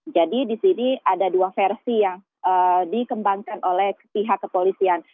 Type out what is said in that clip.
jadi di sini ada dua versi yang dikembangkan oleh pihak kepolisian